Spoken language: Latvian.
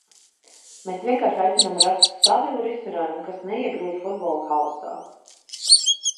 Mēs vienkārši aicinām rast stabilu risinājumu, kas neiegrūž futbolu haosā.